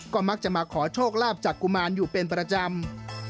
ก็มักจะมาขอโชคลาภจากกุมารอยู่เป็นประจำ